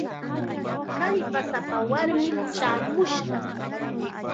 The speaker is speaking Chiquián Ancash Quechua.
Kallpasapa warmim chaamushqa.